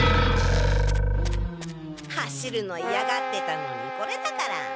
走るのいやがってたのにこれだから。